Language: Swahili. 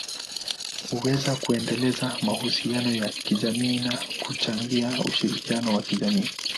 huweza kuendeleza mahusiano ya kijamii na kuchangia ushirikiano wa kijamii.